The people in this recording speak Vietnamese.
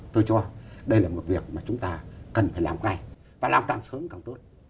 tôi cho đây là một việc mà chúng ta cần phải làm ngay và làm càng sớm càng tốt